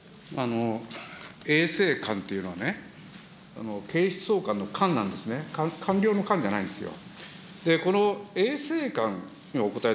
衛生監というのはね、警視総監の監なんですね、官僚の官じゃないんですよ。